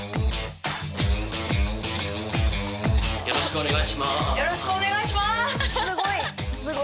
よろしくお願いします。